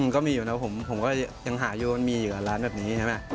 ก็มีอยู่นะผมก็ยังหาอยู่มันมีอยู่กับร้านแบบนี้ใช่ไหม